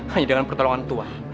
hanya dengan pertolongan tuan